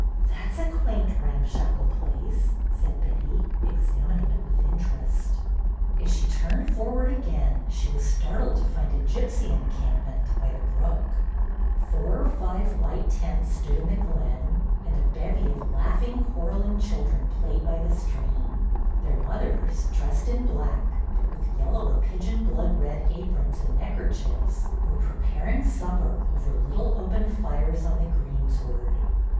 "That 's a quaint, ramshackle place," said Betty, examining it with interest. As she turned forward again, she was startled to find a gypsy encampment by the brook. THE GYPSIES 289 Four or five white tents stood in the glen, and a bevy of laughing, quarrelling children played by the stream; their mothers, dressed in black, but with yellow or pigeon blood red aprons and neckerchiefs, were preparing supper over little open fires on the greensward.